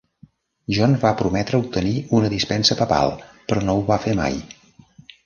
John va prometre obtenir una dispensa papal, però no ho va fer mai.